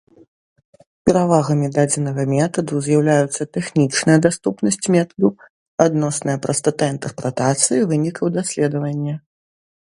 Перавагамі дадзенага метаду з'яўляюцца тэхнічная даступнасць метаду, адносная прастата інтэрпрэтацыі вынікаў даследавання.